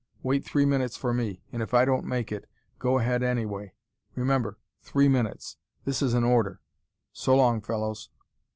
Wait three minutes for me, and if I don't make it, go ahead anyway. Remember three minutes. This is an order. So long, fellows!"